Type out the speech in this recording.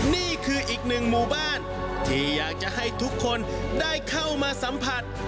นี่คืออีกหนึ่งหมู่บ้านที่อยากจะให้ทุกคนได้เข้ามาสัมผัส